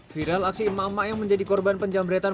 viral aksi imam imam yang menjadi korban penjambretan